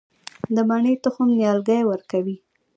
د مڼې تخم نیالګی ورکوي؟